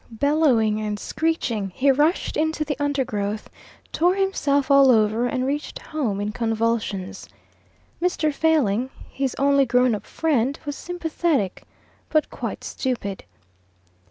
Bellowing and screeching, he rushed into the undergrowth, tore himself all over, and reached home in convulsions. Mr. Failing, his only grown up friend, was sympathetic, but quite stupid.